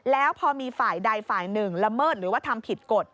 แล้วพอมีฝ่ายใดฝ่ายหนึ่งละเมิดหรือว่าทำผิดกฎ